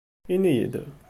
Ini-iyi-d.